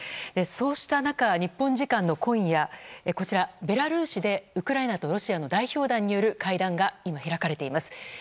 そうした中、日本時間の今夜ベラルーシでウクライナとロシアの代表団による会談が開かれています。